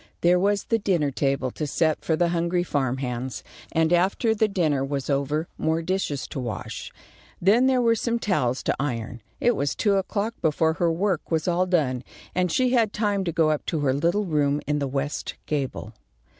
There was the dinner table to set for the hungry farm hands, and after the dinner was over more dishes to wash. Then there were some towels to iron. It was two o'clock before her work was all done, and she had time to go up to her little room in the west gable.